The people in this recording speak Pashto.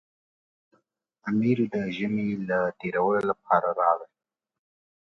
امیر د ژمي له تېرولو لپاره راغی.